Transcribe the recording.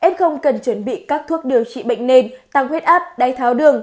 f cần chuẩn bị các thuốc điều trị bệnh nền tăng huyết áp đáy tháo đường